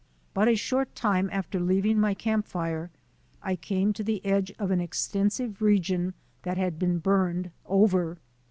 But a short time after leaving my camp fire I came to the edge of an extensive region that bad been burned over.